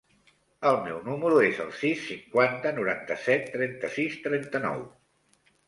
El meu número es el sis, cinquanta, noranta-set, trenta-sis, trenta-nou.